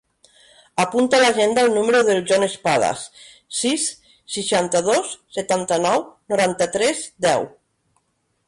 Apunta a l'agenda el número del Jon Espadas: sis, seixanta-dos, setanta-nou, noranta-tres, deu.